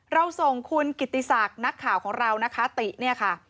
เราส่งคุณกิติศักดิ์นักข่าวของเรานะคะติเนี่ยค่ะ